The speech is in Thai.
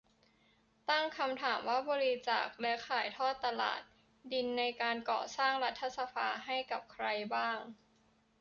ตั้งคำถามว่าบริจาค และ ขายทอดตลาด ดินในการก่อสร้างรัฐสภา ให้กับใครบ้าง